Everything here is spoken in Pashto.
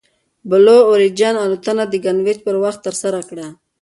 بلو اوریجن الوتنه د ګرینویچ پر وخت ترسره کړه.